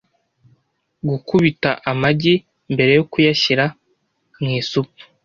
Gukubita amagi mbere yo kuyashyira mu isupu .